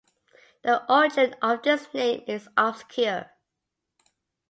The origin of this name is obscure.